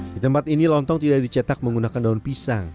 di tempat ini lontong tidak dicetak menggunakan daun pisang